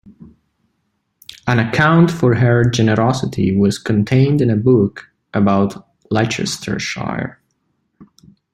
An account of her generosity was contained in a book about Leicestershire.